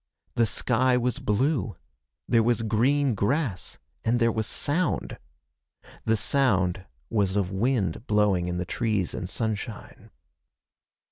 The sky was blue. There was green grass. And there was sound. The sound was of wind blowing in the trees and sunshine.